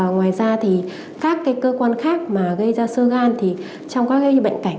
ngoài ra các cơ quan khác gây ra sơ gan trong các bệnh cảnh